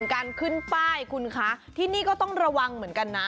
การขึ้นป้ายคุณคะที่นี่ก็ต้องระวังเหมือนกันนะ